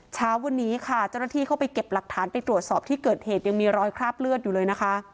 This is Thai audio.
เช้าวันนี้ค่ะเจ้าหน้าที่เข้าไปเก็บหลักฐานไปตรวจสอบที่เกิดเหตุยังมีรอยคราบเลือดอยู่เลยนะคะ